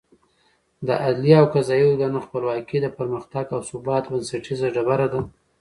د عدلي او قضايي ارګانونو خپلواکي د پرمختګ او ثبات بنسټیزه ډبره ده.